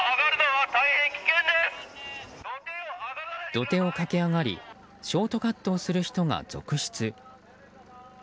土手を駆け上がりショートカットをする人が続出。